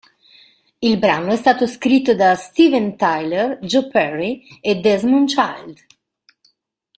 Il brano è stato scritto da Steven Tyler, Joe Perry, e Desmond Child.